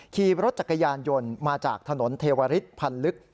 ขี่รถจักรยานยนต์มาจากถนนเทวริสพันธ์ลึก